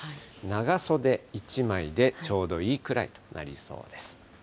長袖１枚でちょうどいいくらいとなりそうです。